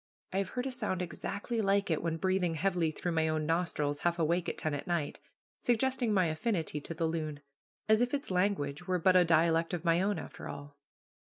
I have heard a sound exactly like it when breathing heavily through my own nostrils, half awake at ten at night, suggesting my affinity to the loon; as if its language were but a dialect of my own, after all.